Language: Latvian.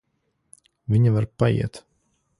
Viņa var paiet.